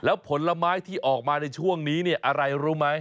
แล้วผลไม้ที่ออกมาในช่วงนี้เนี่ยอะไรรู้ไหม